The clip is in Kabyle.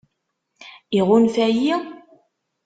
Iɣunfa-yi?